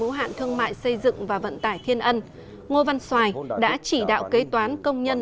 ưu hạn thương mại xây dựng và vận tải thiên ân ngô văn xoài đã chỉ đạo kế toán công nhân